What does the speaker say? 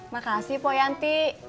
makasih pak yanti